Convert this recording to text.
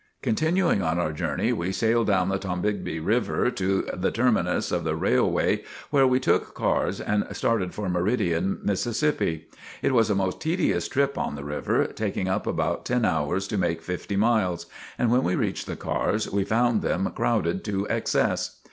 Continuing on our journey we sailed down the Tombigbee river to the terminus of the railway, where we took cars and started for Meridian, Mississippi. It was a most tedious trip on the river, taking up about ten hours to make fifty miles. And when we reached the cars we found them crowded to excess.